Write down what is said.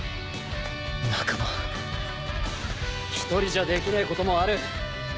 １人じゃできねえこともある。